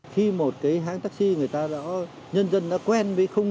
khi một cái hãng taxi người ta đã nhân dân đã quen với khung